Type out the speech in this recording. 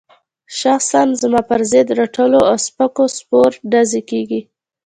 شخصاً زما پر ضد رټلو او سپکو سپور ډزې کېږي.